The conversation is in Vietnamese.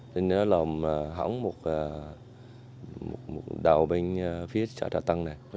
nên nó làm hỏng một đầu bên phía trà tân này